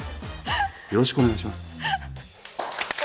よろしくお願いします。